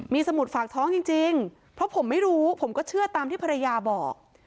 มีสมุดฝากท้องจริงเพราะผมไม่รู้ผมก็เชื่อตามที่ภรรยาบอก